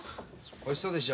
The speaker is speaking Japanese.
おいしそうでしょ？